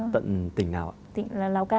tận tỉnh nào ạ